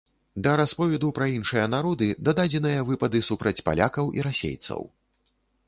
Да расповеду пра іншыя народы дададзеныя выпады супраць палякаў і расейцаў.